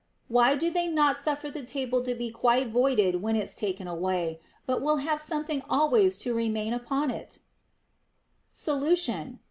Why do they not suffer the table to be quite voided when it's taken away, but will have something always to remain upon it] Solution.